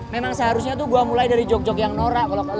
memang seharusnya tuh gue mulai dari joke joke yang norak kalau ke lo